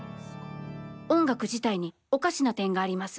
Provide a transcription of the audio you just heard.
音楽自体におかしな点があります。